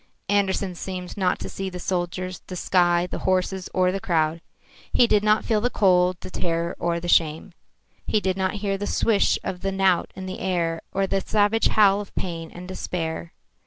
Andersen seemed not to see the soldiers, the sky, the horses or the crowd. He did not feel the cold, the terror or the shame. He did not hear the swish of the knout in the air or the savage howl of pain and despair.